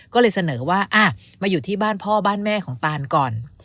ก็เลยเสนอว่ามาอยู่ที่บ้านพ่อบ้านแม่ของตานก่อน